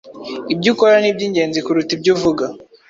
Ibyo ukora nibyingenzi kuruta ibyo uvuga.